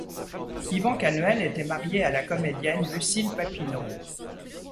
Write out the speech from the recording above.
Yvan Canuel était marié à la comédienne Lucille Papineau.